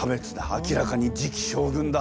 明らかに次期将軍だ。